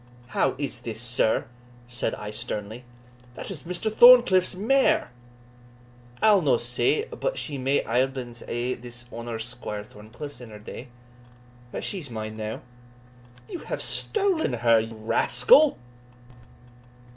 "How is this, sir?" said I sternly; "that is Mr. Thorncliff's mare!" "I'll no say but she may aiblins hae been his honour's Squire Thorncliff's in her day but she's mine now." "You have stolen her, you rascal."